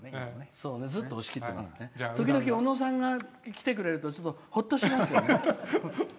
時々小野さんが来てくれるとちょっと、ほっとしますよね。